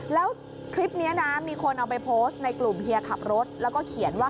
แล้วคลิปนี้นะมีคนเอาไปโพสต์ในกลุ่มเฮียขับรถแล้วก็เขียนว่า